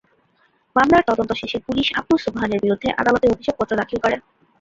মামলার তদন্ত শেষে পুলিশ আবদুস সোবহানের বিরুদ্ধে আদালতে অভিযোগপত্র দাখিল করে।